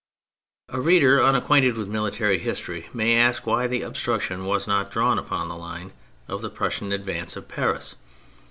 /' 178 THE FRENCH REVOLUTION A reader unacquainted with military history may ask why the obstruction was not drawn upon the hne of the Prussian advance on Paris.